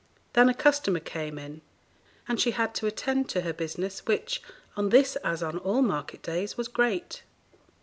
Then a customer came in, and she had to attend to her business, which, on this as on all market days, was great.